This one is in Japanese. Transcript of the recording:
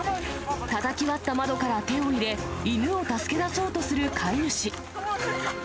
たたき割った窓から手を入れ、犬を助け出そうとする飼い主。